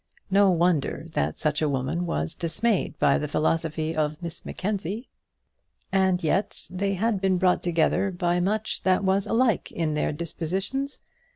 No wonder that such a woman was dismayed by the philosophy of Miss Mackenzie. And yet they had been brought together by much that was alike in their dispositions.